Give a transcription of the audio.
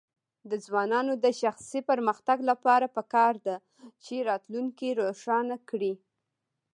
د ځوانانو د شخصي پرمختګ لپاره پکار ده چې راتلونکی روښانه کړي.